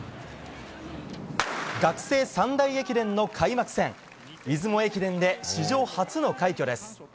学生三大駅伝の開幕戦出雲駅伝で史上初の快挙です。